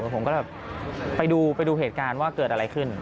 ผมก็แบบไปดูเหตุการณ์ว่าเกิดอะไรขึ้น